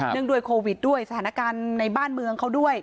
ด้วยโควิดด้วยสถานการณ์ในบ้านเมืองเขาด้วย